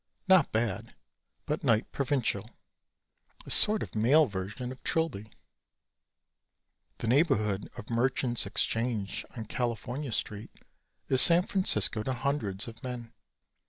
Not bad, but night provincial a sort of male version of Trilby. The neighborhood of Merchants Exchange on California Street is San Francisco to hundreds of men.